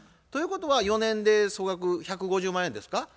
ということは４年で総額１５０万円ですか？